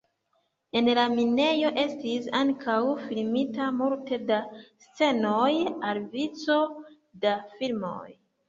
En la minejo estis ankaŭ filmita multe da scenoj al vico da filmoj.